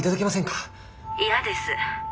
☎嫌です。